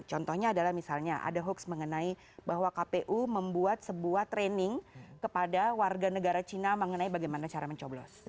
contohnya adalah misalnya ada hoax mengenai bahwa kpu membuat sebuah training kepada warga negara cina mengenai bagaimana cara mencoblos